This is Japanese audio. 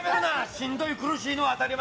しんどい、苦しいのは当たり前。